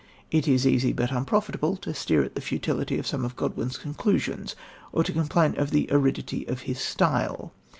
It is easy, but unprofitable, to sneer at the futility of some of Godwin's conclusions or to complain of the aridity of his style.